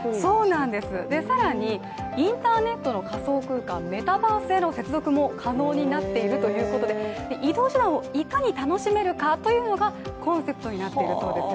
更に、インターネットの仮想空間メタバースへの接続も可能になっているということで移動手段をいかに楽しめるかというのがコンセプトになっているそうですよ。